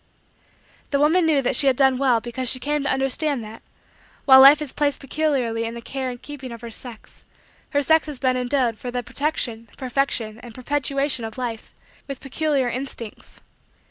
The woman knew that she had done well because she had come to understand that, while life is placed peculiarly in the care and keeping of her sex, her sex has been endowed, for the protection, perfection, and perpetuation of Life, with peculiar instincts.